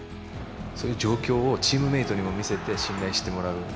そういう状況をチームメートにも見せて、信頼してもらう。